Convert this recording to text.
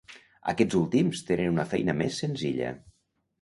Aquests últims tenen una feina més senzilla.